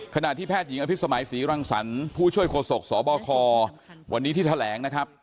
ขณะที่แพทย์หญิงอภิษมัยศรีรังสรรค์ผู้ช่วยโฆษกสบควันนี้ที่แถลงนะครับ